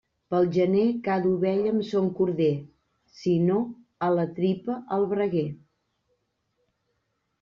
Pel gener, cada ovella amb son corder; si no a la tripa, al braguer.